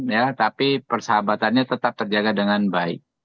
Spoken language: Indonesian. ya tapi persahabatannya tetap terjaga dengan baik